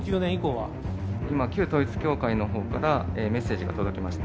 今、旧統一教会のほうからメッセージが届きました。